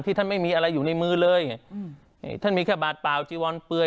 ท่านไม่มีอะไรอยู่ในมือเลยอืมนี่ท่านมีแค่บาดเปล่าจีวอนเปลือย